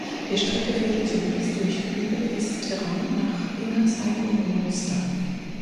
Die Strecke führte zunächst durch hügeliges Terrain nach Ingersheim und Munster.